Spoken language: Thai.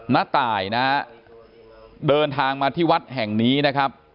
น้าตายนะฮะเดินทางมาที่วัดแห่งนี้นะครับ